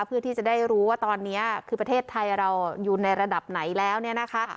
เพื่อที่จะได้รู้ว่าตอนนี้คือประเทศไทยเราอยู่ในระดับไหนแล้วเนี่ยนะคะ